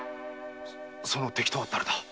その敵とは誰だ？